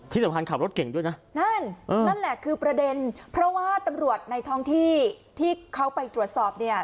ที่สำคัญขับรถเก่งด้วยนะนั่นนั่นแหละคือประเด็นเพราะว่าตำรวจในท้องที่ที่เขาไปตรวจสอบเนี่ย